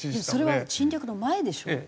それは侵略の前でしょ？